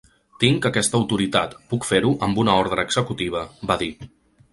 Tinc aquesta autoritat, puc fer-ho amb una ordre executiva, va dir.